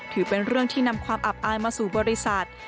ถือเป็นเรื่องที่นำความอับอายมาสู่บริษัท